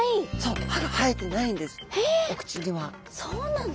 そうなの？